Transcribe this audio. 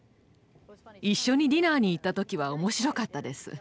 一緒にディナーに行った時は面白かったです。